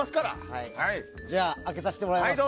じゃあ、開けさせてもらいます。